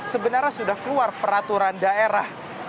sebenarnya sudah keluar peraturan daerah